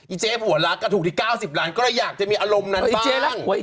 อี้เจ็กลุงหัวลักก็ถูกที่เก้าสิบล้านก็ละอยากจะมีอารมณ์นั้นบ้าง